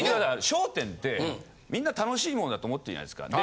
『笑点』ってみんな楽しいものだと思ってるじゃないですか。